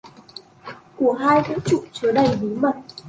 của hai vũ trụ chứa đầy bí mật.